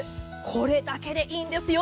これだけでいいんですよ。